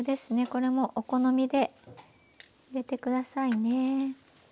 これもお好みで入れて下さいね。